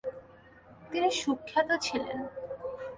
তিনি সুখ্যাত ছিলেন।